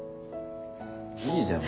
いいじゃん